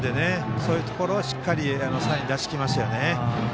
そういうところをしっかりサイン出してきますよね。